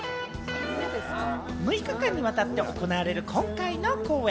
６日かにわたって行われる今回の公演。